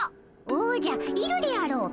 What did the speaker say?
おじゃいるであろう。